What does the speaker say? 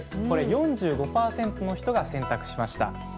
これ４５％の人が選択しました。